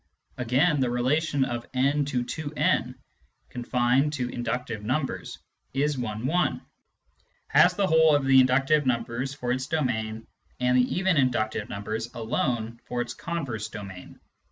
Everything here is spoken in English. Again, the relation of n to 2w, confined to inductive numbers, is one one, has the whole of the inductive numbers for its domain, and the even inductive numbers alone for its converse domain.